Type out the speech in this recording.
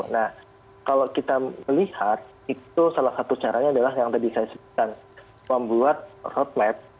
nah kalau kita melihat itu salah satu caranya adalah yang tadi saya sebutkan membuat roadmap